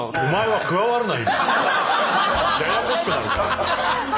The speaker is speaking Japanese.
ややこしくなる。